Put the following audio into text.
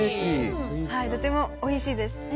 とてもおいしいです。